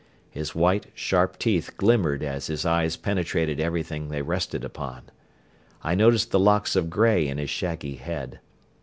His white, sharp teeth glimmered as his eyes penetrated everything they rested upon. I noticed the locks of grey in his shaggy head.